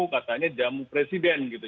katanya jamu presiden gitu